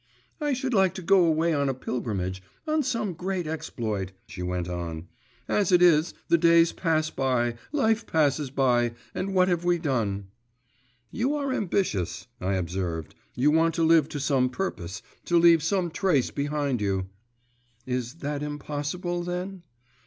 'I should like to go far away on a pilgrimage, on some great exploit,' she went on. 'As it is, the days pass by, life passes by, and what have we done?' 'You are ambitious,' I observed. 'You want to live to some purpose, to leave some trace behind you.…' 'Is that impossible, then?